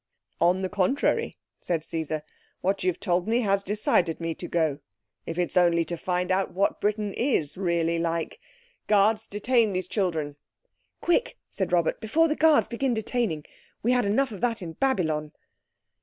"On the contrary," said Caesar, "what you've told me has decided me to go, if it's only to find out what Britain is really like. Guards, detain these children." "Quick," said Robert, "before the guards begin detaining. We had enough of that in Babylon."